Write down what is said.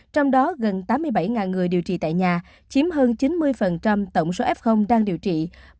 trong đó gần tám mươi bảy người điều trị tại nhà chiếm hơn chín mươi tổng số f đang điều trị